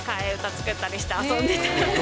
作ったりして、遊んでたので。